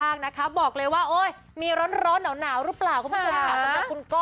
ดีมากนะคะบอกเลยว่ามีร้อนเหล่ารึเปล่าคุณผู้ชม